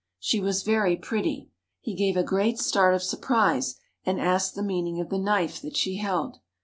She was very pretty. He gave a great start of surprise, and asked the meaning of the knife that she held.